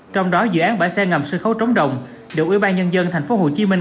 trong đó dự án bãi xe ngầm sân khấu chống đồng được ủy ban nhân dân thành phố hồ chí minh